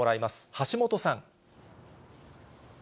橋本さん。